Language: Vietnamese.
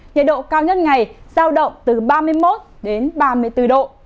nhiệt độ cao nhất ngày giao động từ ba mươi một ba mươi bốn độ